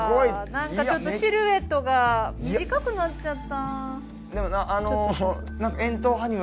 何かちょっとシルエットが短くなっちゃった。